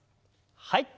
はい。